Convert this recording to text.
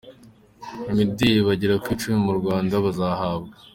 Imideli bagera ku icumi mu Rwanda bazahabwa.